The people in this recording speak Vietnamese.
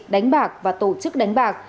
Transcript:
đánh bạc và tổ chức đánh bạc